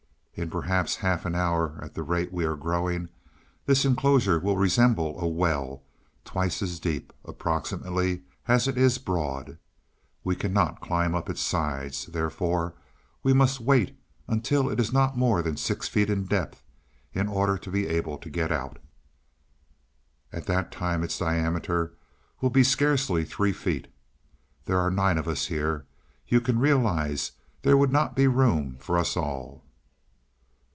In perhaps half an hour at the rate we are growing this enclosure will resemble a well twice as deep, approximately, as it is broad. We cannot climb up its sides, therefore we must wait until it is not more than six feet in depth in order to be able to get out. At that time its diameter will be scarcely three feet. There are nine of us here; you can realize there would not be room for us all.